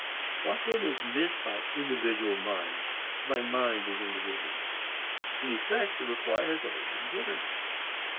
What then is meant by individual mind, by mind as individual? In effect the reply has already been given.